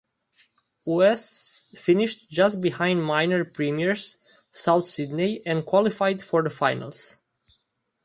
Wests finished just behind minor premiers South Sydney and qualified for the finals.